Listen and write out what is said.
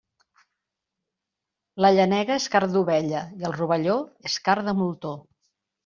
La llenega és carn d'ovella i el rovelló és carn de moltó.